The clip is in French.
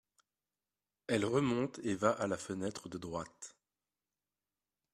Elle remonte et va à la fenêtre de droite.